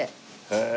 へえ。